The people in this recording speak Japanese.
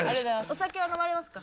お酒は飲まれますか？